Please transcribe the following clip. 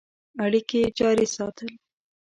اړیکي جاري ساتل.